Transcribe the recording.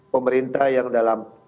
pemerintah yang dalam